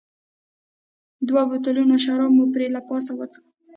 دوه بوتلونه شراب مو پرې له پاسه وڅښل.